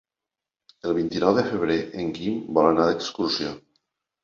El vint-i-nou de febrer en Guim vol anar d'excursió.